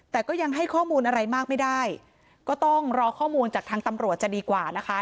แต่ก็ยังให้ข้อมูลอะไรมากไม่ได้ก็ต้องรอข้อมูลจากทางตำรวจจะดีกว่านะคะ